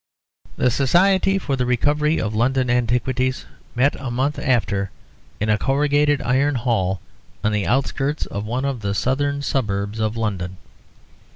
The Society for the Recovery of London Antiquities met a month after in a corrugated iron hall on the outskirts of one of the southern suburbs of London.